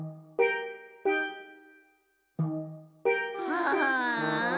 ああ。